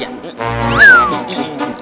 yang benar padeh